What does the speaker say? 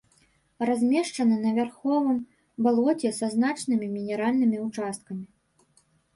Размешчаны на вярховым балоце са значнымі мінеральнымі ўчасткамі.